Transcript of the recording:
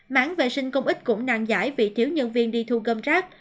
mãn vệ sinh công ích cũng năng giải vì thiếu nhân viên đi thu gâm rác